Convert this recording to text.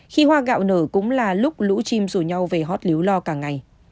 khi hoa gạo nở cũng là lúc lũ chim rủ nhau về hót lý lo cả ngày